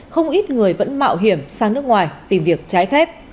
không ít người vẫn mạo hiểm sang nước ngoài tìm việc trái phép